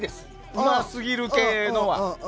うますぎる系は。